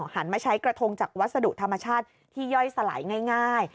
หันมาใช้กระทงจากวัสดุธรรมชาติที่ย่อยสลายง่าย